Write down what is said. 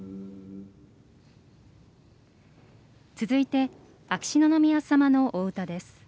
続いて秋篠宮さまのお歌です。